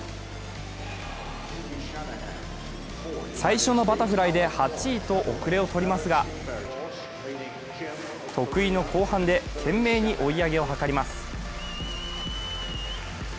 最初のバタフライで８位と遅れを取りますが得意の後半で懸命に追い上げを図ります。